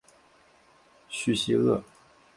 叙西厄。